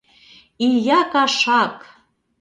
Ия кашак!..